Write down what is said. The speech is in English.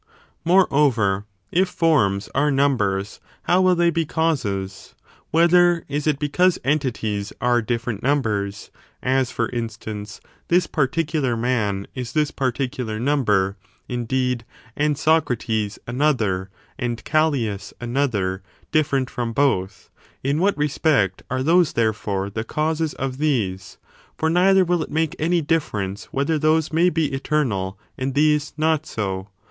Moreover, if forms are numbers,^ how will i. six reasons they be causes? whether is it because entities JfJjJJ'orforaii are different nimibers, — as, for instance, this par as numbers ;— ticular man is this particidar nimiber, indeed, *"*'«*«®"' and Socrates another, and Callias another, different from both, — in what respect are those, therefore, the causes of these? for neither will it make any difference whether those may be eternal, and these not so.